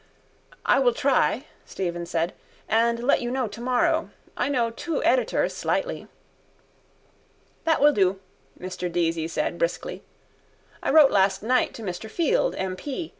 _ —I will try, Stephen said, and let you know tomorrow. I know two editors slightly. —That will do, Mr Deasy said briskly. I wrote last night to Mr Field, M.P.